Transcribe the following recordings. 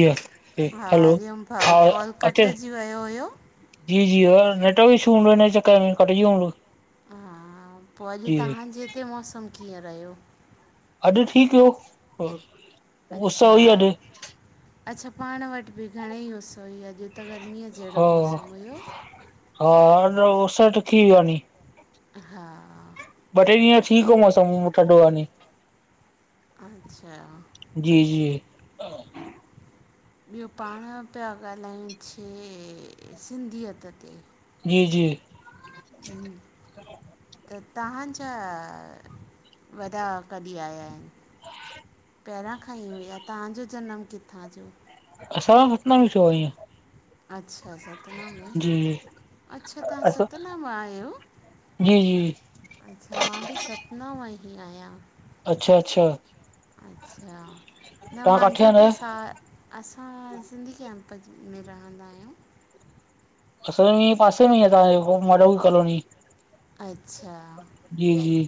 इअ क हा हलो, हरिओम भाऊ हा कॉल अचे कटिजी वियो हुयो जी जी हां नेटवर्क इशू हूनो हिनए चकर में कटजी वियो हूनो। हा पो अॼु तहांजे हिते मौसमु कीअं रहियो? अॼु ठीकु हो। अच्छा अच्छा पाण वटि बि घणेई उस होई अज ही त गर्मीय जेड़ो हा मौसमु हुयो। हा न उस्स त [unintelligible] हा ॿ टे ॾींहं ठीकु हो मौसम ठॾो आ नी अच्छा जी जी ॿियो पाण पिया ॻाल्हायूं छे सिंधियत ते, जी जी, [inaudible] त तव्हांजा वॾा कॾहिं आया आएन? पहिरां खां ई हुआ तव्हांजो जनमु किथां जो असां अतना में छो आईंयेें। अच्छा स सतना में जी जी अच्छा तव्हां असां सतना मां आयो। जी जी अच्छा मां बि सतना मां ई आयां। अच्छा अच्छा। अच्छा न तव्हां काथे मांझा रहंदा त आहियो सा असां सिंधी कैंप में रहंदा आयूं। असां ए पासे में आहे तांओ माडवी कॉलोनी। अच्छा, जी जी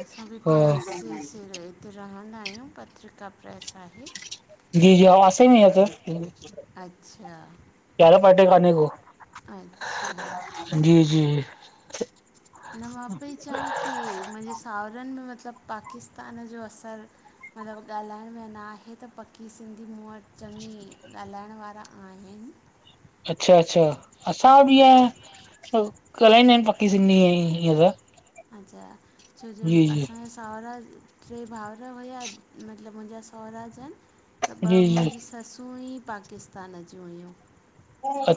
असां बि हा प्रेस स रए ते रहंदा आयूं पत्रिका प्रेस आहे। जी जी [unintelligible] अच्छा, क्यारा पाटे काने को अच्छा, जी जी। न मां पेई चवां की मुंजे साहुरनि में मतिलबु पाकिस्तान जो असर मतिलबु ॻाल्हाइण में न आहे त पकी सिंधी मूं वटि चङी ॻाल्हाइण वारा आहिनि। अच्छा अच्छा असां वटि ईअं त ॻाल्हाईंदा आहिनि पकी सिंधी ईअं त अच्छा छो जो जी जी असां सहुरा टे भाउर हुया मतिलबु मुंहिंजा सहुरा जन त जी ॿ जी मुंहिंजी ससूं ई पाकिस्तान जूं हुयूं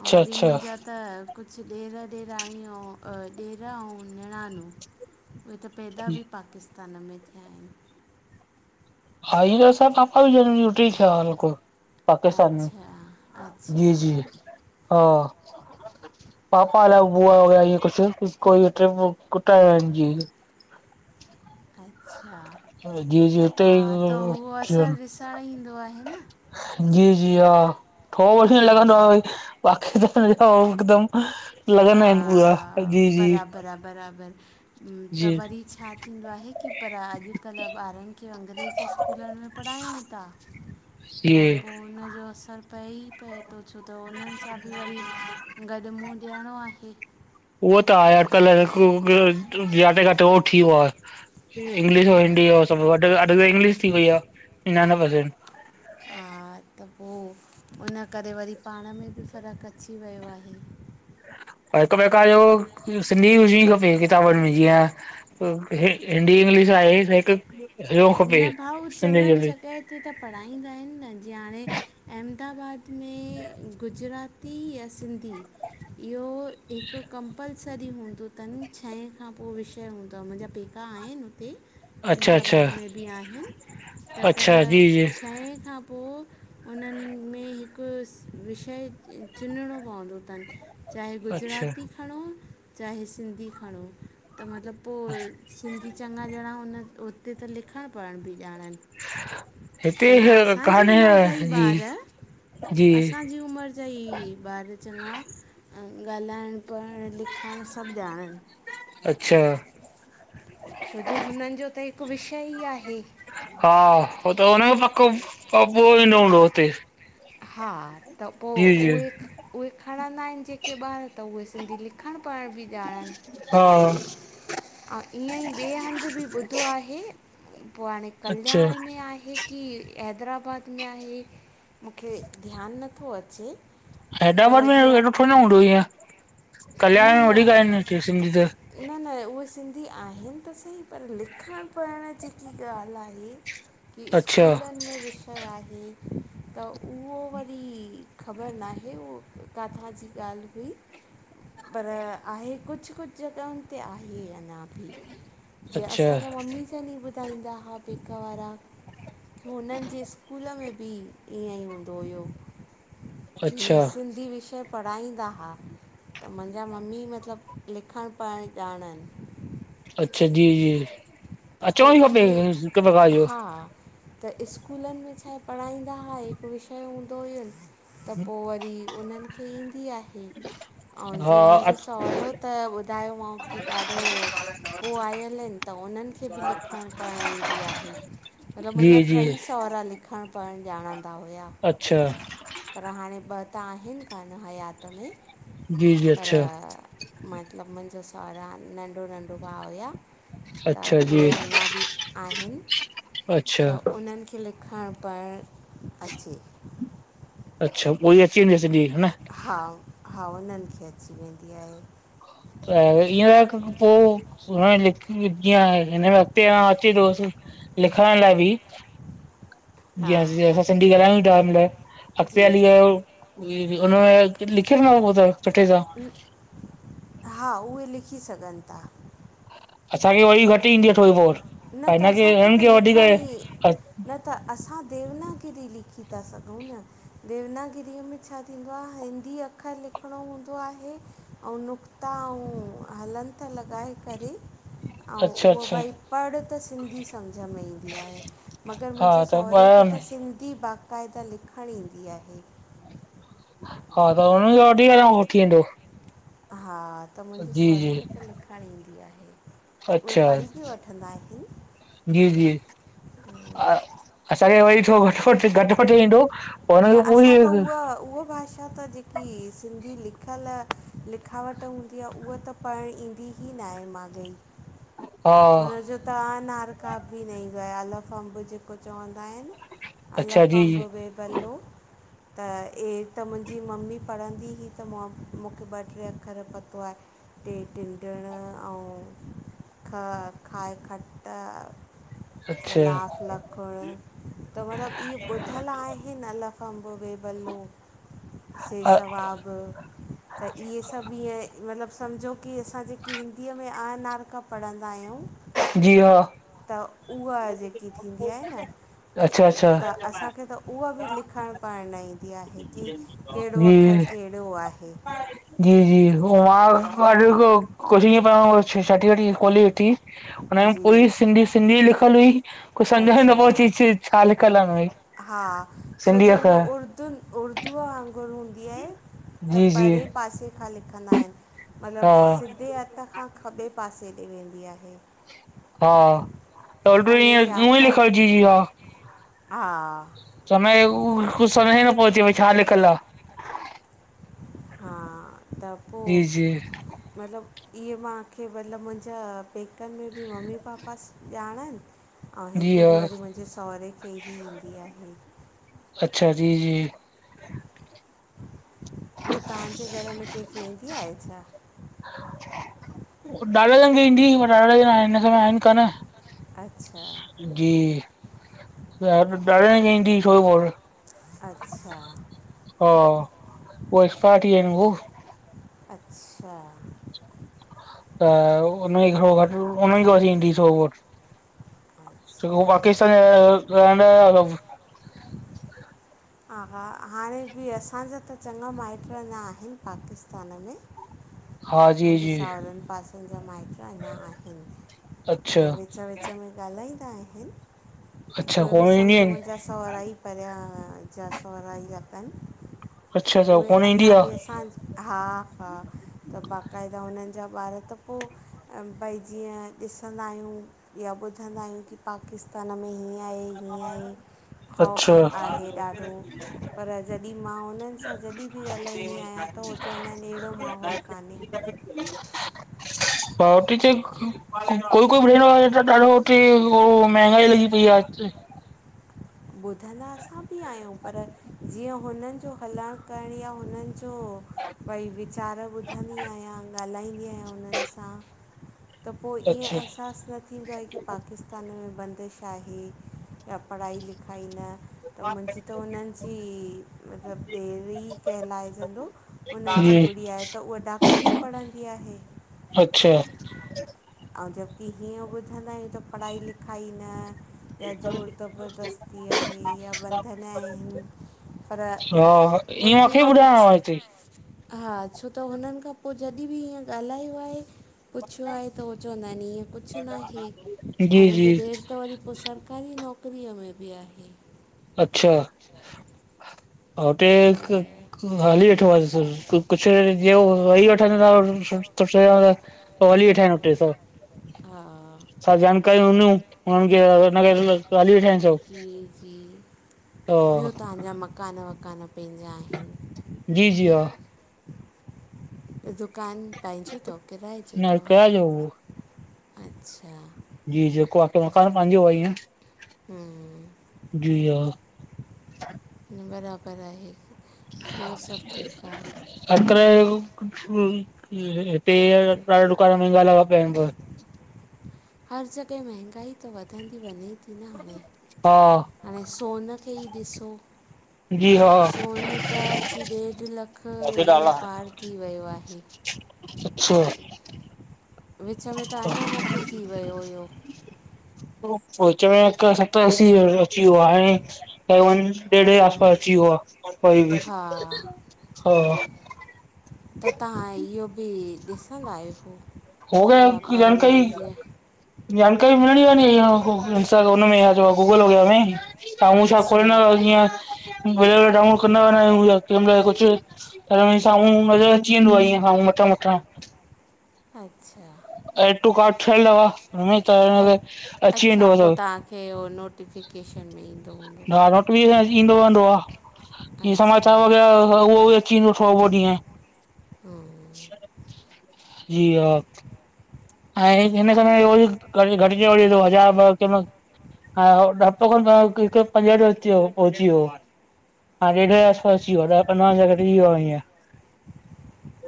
आं वरी अच्छा मुंजा। त कुझु ॾेर ॾेराणी आऊं अ ॾेर आऊं निणानूं उहे त पैदा बि पाकिस्तान में थिया आहिनि। [unintelligible] पाकिस्तान में, अच्छा अच्छा जी जी। हा पापा अलाए बूआ वया इअं कुझु कु कोई ट्रिप [unintelligible] जी। अच्छा जी जी हुते हा ई त उहो असरु ॾिसणु ईंदो आहे न। जी जी हा थो वठी न लॻंदो आहे। भई [unintelligible] [unintelligible] हिकदम। हा बराबरा बराबरि त जी वरी छा थींदो आहे की पर अॼुकल्ह ॿारनि खे अंग्रेजी स्कूलनि में पढ़ायूं था। त वरी जी पोइ उनजो असरु पए। ईपए थो छो त उननि सां बि वरी गॾु मुंहुं ॾियणो आहे। उहो त आहे अॼुकल्ह [unintelligible] जाते काथे उहो थी वियो आहे। इंग्लिश ऐं आ, हिंदी सभु अॾु इंग्लिश थी वई आहे। इन नाव हा त पोइ उन करे वरी पाण में बि फर्कु अची वियो आहे। पर हिक प्रकार जो सिंधी हुजणि खपे किताबनि में जीअं हिंदी इंग्लिश आहे हिकु हुजण खपे सिंधीअ जो बि। उते त पढ़ाईंदा आहिनि न जीअं हाणे अहमदाबाद में गुजरात ती आहे [unintelligible] सिंधी। इहो हिकु कंपलसरी हूंदो अथनि। छहें खां पोइ विषय हूंदो आहे। मुंहिंजा पेक का आहिनि हुते। अच्छा -अच्छा। अहमदाबाद में बि आहिनि त पर अच्छा जी जी छहें खां पोइ हुननि में हिकु विषय चुञणो पवंदो अथनि। चाहे अच्छा गुजराती खणो चाहे सिंधी खणो त मतिलब पोइ सिंधी चङा ॼणा उन उते त लिखणु पढ़णु बि ॼाणनि। हिते चंञा असांजी उमिरि जा ई कान्हे जी ॿार जी असांजी उमिरि जा ही ॿार चंञा ॻाल्हाइणु पढ़णु लिखणु सभु ॼाणनि। अच्छा छो जो हुननि जो त हिकु विषय ई आहे। हा हो त हुन पको ई न हूंदो [unintelligible] हुते। हा त पोइ जी जी उहे उहे खणंदा आहिनि। जेके जेके ॿार त उहे सिंधी लिखणु पढ़णु बि ॼाणनि। हा ऐं ईअं ई ॿिए हंधि बि ॿुधो आहे पोइ हाणे अच्छा कल्याण में आहे। की हैदराबाद में आहे। मूंखे ध्यानु नथो अचे। हैदराबाद पर में जीअं एॾो थोड़ न हूंदो ईअं कल्याण में वधीक हि न हि सिंधी त। न न उहे सिंधी आहिनि त सही पर लिखणु पढ़णु जेकी ॻाल्हि आहे। की अच्छा स्कूलनि में विश त इ आहे त उहो वरी खबर नाहे उहो काथां जी ॻाल्हि हुई। पर आहे कुझु कुझु जॻहियुनि ते आहे अञा। जीअं अच्छा असांजा मम्मी जनि ई ॿुधाईंदा हुआ पेका वारा। हुननि जे स्कूल में बि ईअं ई हूंदो हुयो। अच्छा की सिंधी विषय पढ़ाईंदा हा। त मुंहिंजा मम्मी मतिलबु लिखणु पढ़णु ॼाणनि। अच्छा जी, त अचणो पोइ ई खपे इहे हिकु प्रकार जो [unintelligible] हा त स्कूलनि में छाए पढ़ाईंदा हुआ हिकु विषय हूंदो हुयुस त पो वरी उन्हनि खे ईंदी आहे। ऐं जीअं हा मुंहिंजो सहुरो त ॿुधायोमांव की ॾाढो पो आयल आहिनि त उन्हनि खे बि लिखणु पढ़णु ईंदी आहे, मतिलबु जी मुंहिंजा जी टईस सहुरा लिखणु पढ़णु ॼाणंदा हुआ। अच्छा। पर हाणे ॿ त आहिनि कान हयात में जी जी अच्छा पर- मतिलबु मुंहिंजो सहुरा नंढो-नंढो भाउ हुआ। अच्छा। त उहे जी अञा बि आहिनि। अच्छा त उन्हनि खे लिखणु पढ़णु अचे। अच्छा पोइ अची वेंदी सॼी। ह न! हा, हा हुननि खे अची वेंदी आहे। त इअं पोइ सुभा [unintelligible] जीअं हिनमें अॻिते अचे थो लिखण लाइ बि हा जीअं असां सिंधि ॻालहायूं था। जी अॻितेहली हुनमें लिखयल न हुंदो तव सुठे सां। हा उहे लिखी सघनि था। असांखे वरी घटि ईंदी आहे थोरी बोत न पर त हिनखे असांखे हिननि त खे वधीक लिखण ई न त असां देवनागिरी लिखी था सघूं न, देवनागिरीअ में छा थींदो आहे हिंदी अखर लिखिणो हूंदो आहे ऐं नुक्ता ऐं हलंत लॻाए करे, ऐं अच्छा उहो अच्छा भई पढ़ त सिंधी सम्झ में ईंदी आहे, मगरि हा मुंहिंजे त सहुरे खे त सिंधी बाक़- क़ाइदा लिखणु ईंदी आहे। हा त उ हुनन खे वठी [unintelligible] वंदो हा त मुंहिंजे सहुरे जी खे त लिखणु ईंदी आहे। उहे अच्छा पढ़ी बि वठंदा। जी जी असांखे वरी थोरो घटि। वटि ईंदो पोइ न हुनखे असां पूरी त उहा उहा भाषा त जेका की सिंधी लिखियल लिखावट हूंदी आहे उहा त पढ़णु ईंदी ई न आहे माॻई। हा उनजो- तव्हां नारका बि न ईंदो आहे अलफंब जेको चवंदा आहिनि अच्छा जी जी अलफ-अंबु, बे-बलो त ए त मुंहिंजी मम्मी पढ़ंदी हुई त मूंखे ॿ टे अखर पतो आहे। टे टिंडणु आउं ख खाए खटअ। त अच्छा लास लखणु त मतलबु इअ ॿुधल आहे। हिन अलफअंबु, बेबलो, सेसवागु। त इहे सभु ईअं मतिलबु सम्झो की असां जेके हिंदीअ में अआनारका पढ़ंदा आहियूं- जीउ। त उहा जेकी थींदी आहे न- अच्छा अच्छा। त असांखे त उहा बि लिखणु पढ़णु न ईंदी आहे की कहिड़ो अखरु जी कहिड़े- ॿियो आहे। जी जी [unintelligible] छठीवठी खोलेॾिठी। हुनमें पूरी जी सिंधी, सिंधी लिखियल हुई। कुझु सम्झाइ अच्छा नपो अचे ची छा लिखियल आहिनि भई, सिंधीअ अखर। त उर्दूअ वांगुरु हूंदी आहे त जी जी परे पासे खां लिखंदा आहिनि। हा मतिलबु सिधे हथ खां, खॿे पासे ॾे वेंदी आहे। हा, त बि पने इअं जे उल्टो उऊ ई आख़िर लिखाइजी जी हा हा समय हू कुझु समय ई न पियो अचे, भई छा लिखलआ हा त आहे पोइ, जी जी मतिलबु इहे मांखे मतिलबु मुंहिंजा पेकनि में बि मम्मी पापा ॼाणनि ऐं जी हिते हा बि वरी मुंहिंजे सहुरे खे ई ईंदी आहे। अच्छा जी जी ॿियो तव्हांजे घर में कंहिंखे ईंदी आहे छा? ॾाॾाजन खे ईंदी, पर ॾाॾा जण हिन समय आहिनि कान। अच्छा जी, ॾाॾा जनि खे ईंदी हुइ थोरोबहु अच्छा हा, हू एक्सपायर थी विया आहिनि हू अच्छा त उनो ई घरोघट उन्हनि [unintelligible] छो कि अच्छा हो पाकिस्तान रहंदा हो। ह हा, हाणे बि असांजा त चङा माइट अञा आहिनि पाकिस्तान में हा जी मुंहिंजे जी सावरनि पासनि जा माइट अञा आहिनि, अच्छा त विच में विच में ॻाल्हाईंदा आहिनि अच्छा उहे बि कोन ईंदी समुझो आहिनि मुंहिंजा सहुरा ई परियां जा सहुरा ई अथनि, त अच्छा उहे कोन ईंदी अञां आ बि असां हा हा, त बाकाइदा हुननि जा ॿार त पोइ भई जीअं ॾिसंदा आहियूं या ॿुधंदा आहियूं की पाकिस्तान में हीअं हीअं ई अच्छा खौफ आहे ॾाढो, पर जॾीं मां हुन जॾहिं बि ॻाल्हाईंदी आहियां त उहे चवंदा आहिनि अहिड़ो माहौल कान्हे को। [inaudible] बाऊती त कोई कोई ब्रैड वगैरह त ॾाढो हुते महंगाई लॻी पई आ हुते ॿुधंदा असां बि आहियूं पर जीअं हुननि जो हलाइणु करणी या हुननि जो पई वीचार ॿुधंदी आहियां, ॻाल्हाईंदी आहियां उन्हनि सां, पोई इअं अच्छा एहसास न थींदो आ कि पाकिस्त तान में बंदिश आहे या पढ़ाई लिखाई न त मुंहिंजी त हुननि जी, मतलबु ॾेरी कहिलाइजंदो उन्हनि जी गुड़िया आ, त उहा डॉक्टरी पढ़ंदी आहे। अच्छा ऐं जबकी हीअं ॿुधंदा आहियूं त, पढ़ाई लिखाई न या जोर ज़बरदस्ती आहे या बंधन आहिनि पर ह ईअं हुननि मूंखे खां पुछ ॿुधाइण [unintelligible] हा छो त हुननि खां पोइ जॾीं बि इअं ॻाल्हायो आहे पुछियो आहे, त उह चवंदा आहिनि इअं कुझु न आहे ऐं जी जी मुंहिंजो ॾेर त वरी पोइ सरकारी नौकरीअ में बि आहे। अच्छा, त [unintelligible] कुझु [unintelligible] हा छा जानकारिय हूंदयूं हुननि खे, हली वेठा आहिनि सभ जी, जी ॿियो तव्हांजा मकान-वकान पंहिंजा आहिनि जी, जी हा दुकान पंहिंजो अथव? किराए जो न अथव? कयाजो उहो अच्छा जी जेको आ सो मकान पंहिंजो आ ईंअ हूं, बराबर आहे ॿियो सभु ठीकु आ अॼुकल्ह हिते ॾाढ़ा दुकान महांंगा लॻा पिया आहिनि जो हर जॻह महांगाई त वधंदी वञे थी न हाणे हा हाणे सोन खे ई ॾिसो जी हा सोन त अची ॾेढु लख ईअं पार थी वियो आहे अच्छा विच में त अञा मथे थी वियो हुयो विच में हिकु सतर असी अची वियो हाणे डेढ जे आस पास अची वियो आ कोई बि हा हा त तव्हां इहो बि ॾिसंदा आहियो होगया की वापार जानकारी में जीअं जानकारी मिलणी आहे नी हुन में आ जो गूगल वग़ैरह में सामहूं छा अच्छा खोलंदाअं जिअं डाउनलोड कंदा व आहियूं कंहिमल कुझु त साम्हूं नज़र अची वेंदो आहे ईअं साम्हूं मथां-मथां अच्छा ए टू कार्ड ठयल अहव, हूंए त अ ईन ते अची अच्छा वेंदो आ पोइ सब तव्हांखे उहो नोट टिफिकेशन में ईंदो हूंदो हा नोटिफिकेशन ईंदो वहदो आ ईंअ अच्छा समाचार वगैरह उहो चीनो थोड़ो उहो ॾींह आ, हम्म जी हा ऐं हिन, हिन समय रोज़ कॾहिं घटिजे वधजे थो हज़ार ॿ केंह महिल हा हफ़्तो खनि त हिक पंजहठ अची वियो पंहुची वियो हो हा ॾेढ जे आस पास अची वियो आहे ॾह पन्द्रह हजार घटजी वियो आ हिंअ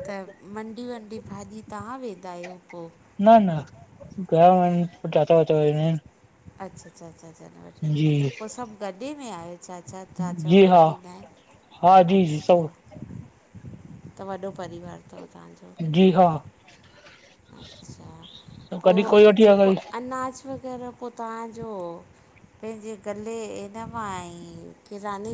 त मंडी-वंडी, भाॼी तव्हां वेंदा आहियो पो? न, न घर वञ, पो चाचा-वाचा वेंदा आहिन। अच्छा, अच्छा, अच्छा, छा जी पो सभु गॾे में आहियो चाचा, चाचा जी हा वठी ईंदा आहिनि हा जी, जी सभु अच्छा त वॾो परिवार अथव तव्हांजो जी हा अच्छ, पो कॾहिं कोई वठी वियो आ जेको कॾहिं अनाज वगैरह पो तव्हांजो पंहिंजे गले इन मां ई किराने